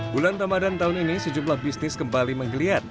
bulan ramadan tahun ini sejumlah bisnis kembali menggeliat